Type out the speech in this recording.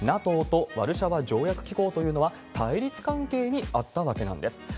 ＮＡＴＯとワルシャワ条約機構というのは、対立関係にあったわけなんです。